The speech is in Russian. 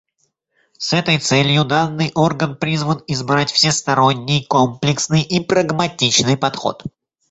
С этой целью данный орган призван избрать всесторонний, комплексный и прагматичный подход.